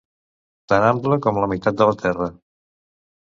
Tan ample com la meitat de la terra.